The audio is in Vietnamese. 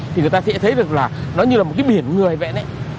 thì người ta sẽ thấy được là nó như là một cái biển người vậy đấy